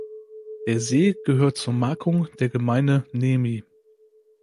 Der See gehört zur Markung der Gemeinde Nemi.